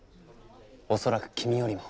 恐らく君よりも。